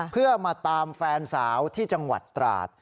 เพื่อมาตามแฟนสาวที่จังหวัดตราด